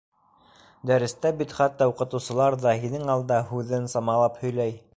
Дәрестә бит хатта уҡытыусылар ҙа һинең алда һүҙен самалап һөйләй.